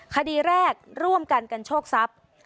คดีแรกร่วมกันกันโชคทรัพย์